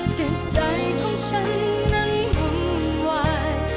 จิตใจของฉันนั้นวุ่นวาย